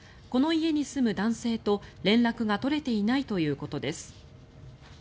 この家に住む男性と連絡が取れていないということです。